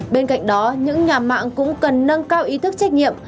bên cạnh đó những nhà mạng cũng cần nâng cao ý thức trách nhiệm